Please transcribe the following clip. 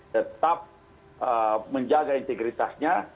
tetap menjaga integritasnya